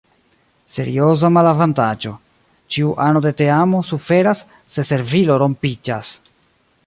Serioza malavantaĝo: ĉiu ano de teamo suferas se servilo rompiĝas.